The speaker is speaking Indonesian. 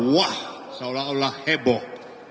wah seolah olah heboh